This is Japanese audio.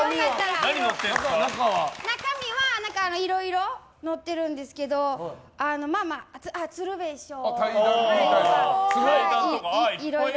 中身はいろいろ載ってるんですけど鶴瓶師匠との対談とか、いろいろ。